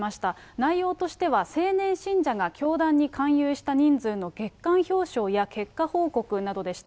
内容としては、青年信者が教団に勧誘した人数の月刊表彰や結果報告などでした。